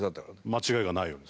間違いがないように。